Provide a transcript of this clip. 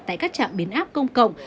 tại các trạm biến áp công cộng